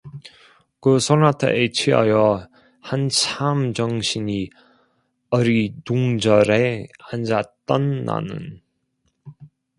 그 소나타에 취하여 한참 정신이 어리둥절해 앉았던 나는